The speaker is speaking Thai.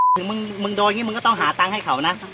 ถึงมึงโดยงี้มึงก็ต้องหาตังให้เขานะ